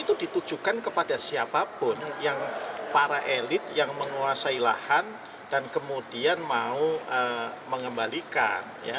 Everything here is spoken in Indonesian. itu ditujukan kepada siapapun yang para elit yang menguasai lahan dan kemudian mau mengembalikan